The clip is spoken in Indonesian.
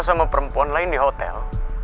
sama perempuan lain di hotel